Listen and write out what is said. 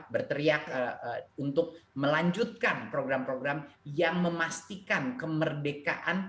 berteriak untuk melanjutkan program program yang memastikan kemerdekaan